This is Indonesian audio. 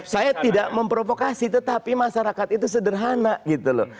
saya tidak memprovokasi tetapi masyarakat itu sederhana gitu loh